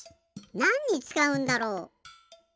なんにつかうんだろう？